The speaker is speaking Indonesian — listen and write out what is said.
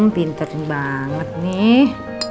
pinter banget nih